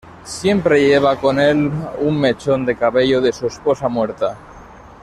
Siempre lleva con el un mechón de cabello de su esposa muerta.